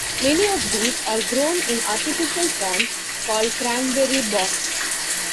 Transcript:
Many of these are grown in artificial ponds called cranberry bogs.